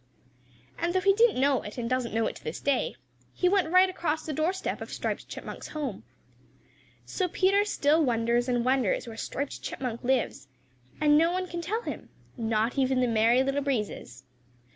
And though he didn't know it and doesn't know it to this day, he went right across the doorstep of Striped Chipmunk's home. So Peter still wonders and wonders where Striped Chipmunk lives, and no one can tell him, not even the Merry Little Breezes.